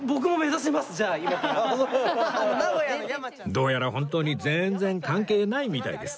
どうやら本当に全然関係ないみたいです